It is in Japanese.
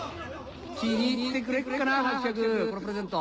気に入ってくれっかな伯爵このプレゼント。